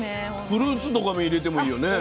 フルーツとかも入れてもいいよね。